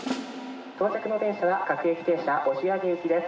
到着の電車は各駅停車、押上行きです。